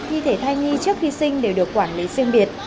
thi thể thai nhi trước khi sinh đều được quản lý riêng biệt